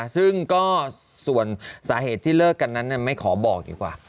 ซึ่งก็ส่วนสาเหตุที่เลิกกันนั้นไม่ขอบอกดีกว่า